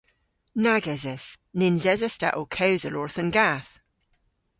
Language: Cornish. Nag eses! Nyns eses ta ow kewsel orth an gath.